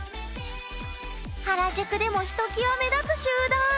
原宿でもひときわ目立つ集団。